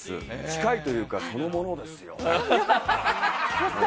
近いというかそのものですよ。